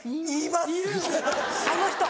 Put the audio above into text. その人！